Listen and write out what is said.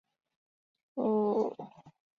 赴岳州托庇于湖南军阀赵恒惕。